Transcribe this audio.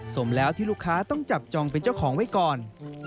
สมแล้วที่ลูกค้าต้องจับจองเป็นเจ้าของไว้ก่อน